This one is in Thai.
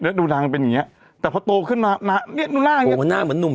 ดูนางเป็นอย่างเงี้ยแต่พอโตขึ้นมาเนี่ยดูหน้าโหหน้าเหมือนหนุ่ม